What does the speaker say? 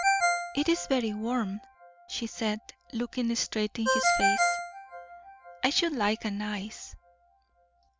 "It is very warm," she said, looking straight in his face; "I should like an ice."